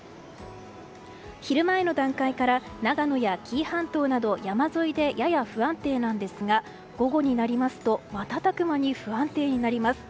昼前の段階から長野や紀伊半島など山沿いでやや不安定なんですが午後になりますと瞬く間に不安定になります。